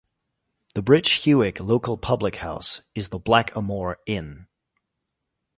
The Bridge Hewick local public house is the Black-A-Moor Inn.